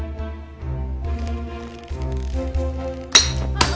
あっ。